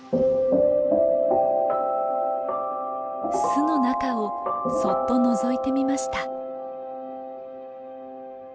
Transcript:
巣の中をそっとのぞいてみました。